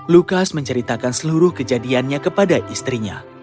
lukas menceritakan seluruh kejadiannya kepada istrinya